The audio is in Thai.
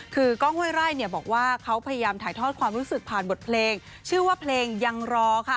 คือกล้องห้วยไร่เนี่ยบอกว่าเขาพยายามถ่ายทอดความรู้สึกผ่านบทเพลงชื่อว่าเพลงยังรอค่ะ